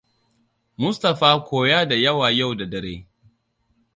Mustapha koya da yawa yau da dare.